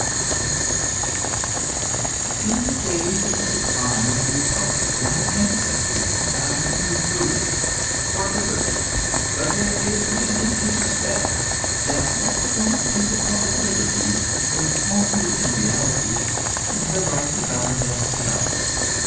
COTTA. In the days of the decline of the Republic my ancestors died with Brutus for liberty. But there is reason to suspect that what the Roman people called liberty was only in reality the right to govern themselves.